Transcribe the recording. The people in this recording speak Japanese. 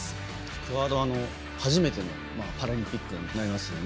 クアードは初めてのパラリンピックになりますよね。